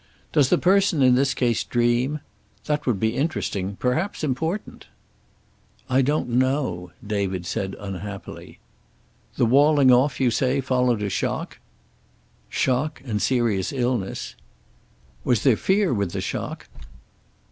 Does the person in this case dream? That would be interesting, perhaps important." "I don't know," David said unhappily. "The walling off, you say, followed a shock?" "Shock and serious illness." "Was there fear with the shock?"